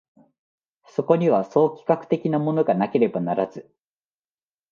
そこには総企画的なものがなければならず、